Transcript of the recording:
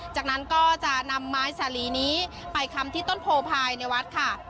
จากนั้นก็จะนำไม้สาลีนี้ไปคำที่ต้นโพภายในวัดค่ะ